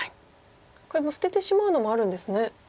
これもう捨ててしまうのもあるんですね。